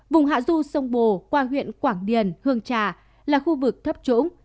vùng hạ du sông bồ qua huyện quảng điền hương trà là khu vực thấp trũng